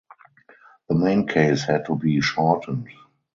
The main case had to be shortened.